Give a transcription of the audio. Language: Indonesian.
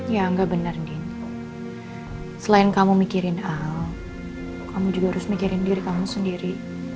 ya nggak bener gini selain kamu mikirin hal kamu juga harus mikirin diri kamu sendiri